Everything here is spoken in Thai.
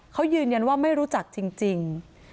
เขายืนยันว่าไม่รู้จักจริง